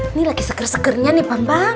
ini lagi segar segarnya nih bambang